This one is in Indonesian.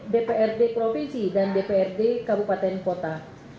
dprd provinsi dan dprd kabupaten kota